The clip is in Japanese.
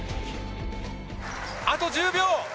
あと１０秒！